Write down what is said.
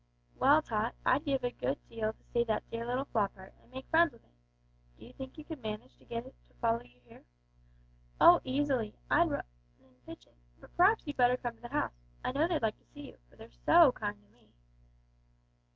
"Well, Tot, I'd give a good deal to see that dear little Floppart, and make friends with it. D'you think you could manage to get it to follow you here?" "Oh, easily. I'll run an' fetch it; but p'r'aps you had better come to the house. I know they'd like to see you, for they're so kind to me."